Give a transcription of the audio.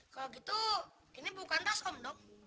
kalau gitu ini bukan tas om dong